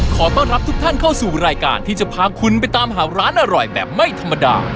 ขอต้อนรับทุกท่านเข้าสู่รายการที่จะพาคุณไปตามหาร้านอร่อยแบบไม่ธรรมดา